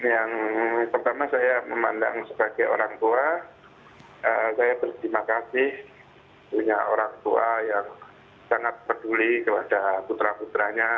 yang pertama saya memandang sebagai orang tua saya berterima kasih punya orang tua yang sangat peduli kepada putra putranya